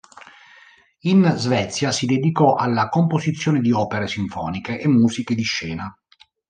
In Svezia si dedicò alla composizione di opere sinfoniche e musiche di scena.